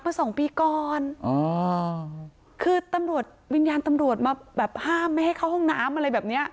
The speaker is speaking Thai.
สองปีก่อนอ๋อคือตำรวจวิญญาณตำรวจมาแบบห้ามไม่ให้เข้าห้องน้ำอะไรแบบเนี้ย